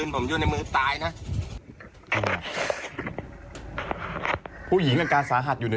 ดูแล้วจะยิงแล้วทำไม